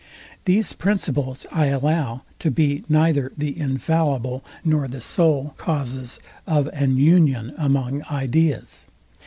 These principles I allow to be neither the infallible nor the sole causes of an union among ideas.